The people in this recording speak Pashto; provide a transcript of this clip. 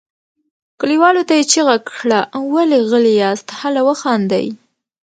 کليوالو ته یې چیغه کړه ولې غلي یاست هله وخاندئ.